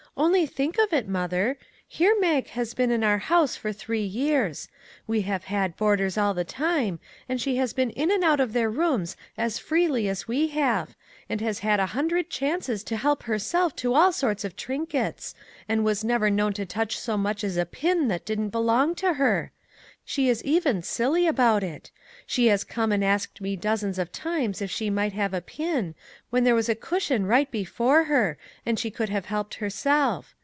" Only think of it, mother, here Mag has been in our house for three years. We have had boarders all the time, and she has been in and out of their rooms as freely as we 119 MAG AND MARGARET have, and has had a hundred chances to help herself to all sorts of trinkets, and was never known to touch so much as a pin that didn't be long to her. She is even silly about it. She has come and asked me dozens of times if she might have a pin, when there was the cushion right before her, and she could have helped herself.